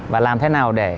và làm thế nào để